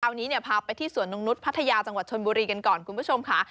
อันนี้เนี่ยพาไปที่สวนนกนุษย์พัทยาจังหวัดชนบุรีกันก่อนคุณผู้ชมค่ะ